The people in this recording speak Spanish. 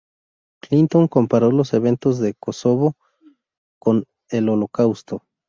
Clinton comparó los eventos de Kosovo con el Holocausto.